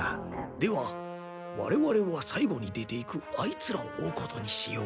ではワレワレは最後に出ていくアイツらを追うことにしよう。